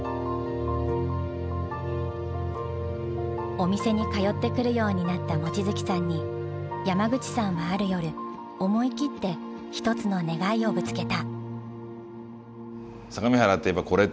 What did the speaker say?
お店に通ってくるようになった望月さんに山口さんはある夜思い切ってひとつの願いをぶつけた。